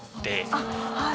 あっはい。